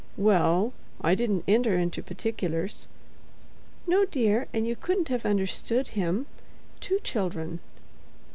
"Well, I didn't enter into particulars." "No, dear, and you couldn't have understood him. Two children."